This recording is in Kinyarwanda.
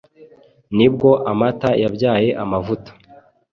nibwo amata yabyaye amavuta